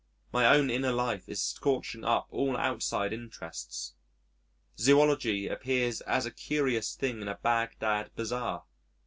My own inner life is scorching up all outside interests. Zoology appears as a curious thing in a Bagdad bazaar.